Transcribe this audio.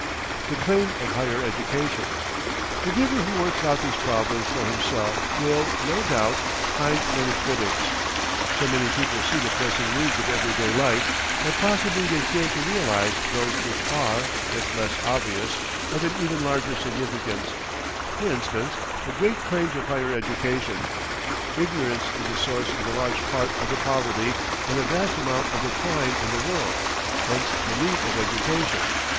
THE CLAIM OF HIGHER EDUCATION The giver who works out these problems for himself will, no doubt, find many critics. So many people see the pressing needs of every day life that possibly they fail to realize those which are, if less obvious, of an even larger significance for instance, the great claims of higher education. Ignorance is the source of a large part of the poverty and a vast amount of the crime in the world hence the need of education.